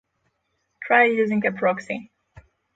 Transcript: try using a proxy